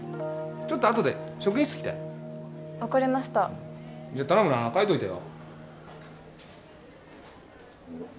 ちょっとあとで職員室来て分かりましたじゃあ頼むな書いといてよ